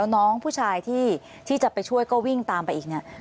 น้องผู้ชายที่จะไปช่วยก็วิ่งตามไปอีกเนี่ย